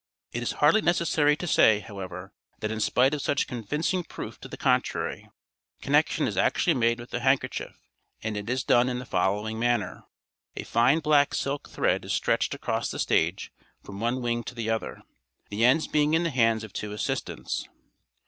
It is hardly necessary to say, however, that in spite of such convincing proof to the contrary, connection is actually made with the handkerchief, and it is done in the following manner: A fine black silk thread is stretched across the stage from one wing to the other, the ends being in the hands of two assistants.